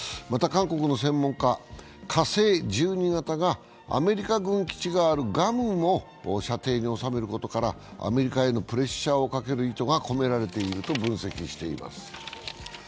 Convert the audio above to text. また、韓国の専門家、火星１２型がアメリカ軍基地があるグアムも射程に収めることからアメリカへのプレッシャーをかける意図が込められていると分析しています。